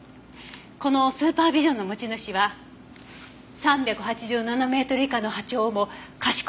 このスーパービジョンの持ち主は３８０ナノメートル以下の波長をも可視光線として感知出来る。